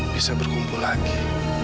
bisa berkumpul lagi